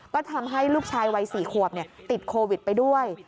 ก็ทำให้ลูกชายวัย๔ขวบติดโควิดไปด้วย